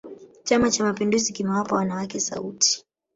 chama cha mapinduzi kimewapa wanawake sauti